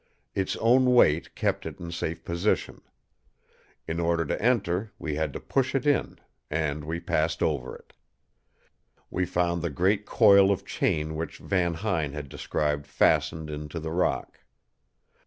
Its own weight kept it in safe position. In order to enter, we had to push it in; and we passed over it. We found the great coil of chain which Van Huyn had described fastened into the rock.